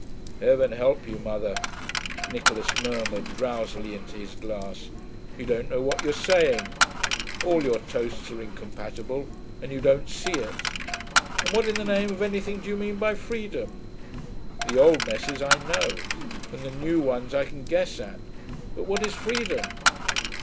'Heaven help you, mother,' Nicholas murmured drowsily into his glass. 'You don't know what you're saying. All your toasts are incompatible, and you don't see it. And what in the name of anything do you mean by Freedom? The old messes I know, and the new ones I can guess at but what is Freedom?